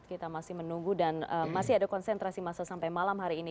kita masih menunggu dan masih ada konsentrasi masa sampai malam hari ini